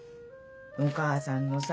お母さんのさ